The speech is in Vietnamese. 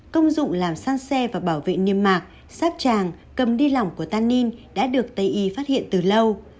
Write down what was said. công dụng làm san xe và bảo vệ niêm mạc sáp tràng cầm đi lỏng của tanin đã được tây y phát hiện từ lâu